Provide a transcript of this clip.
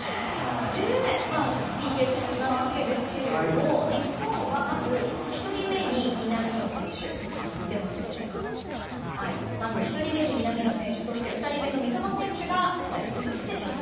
ＰＫ戦なわけですが日本はまず１人目に南野選手そして２人目の三笘選手が２人続けて失敗。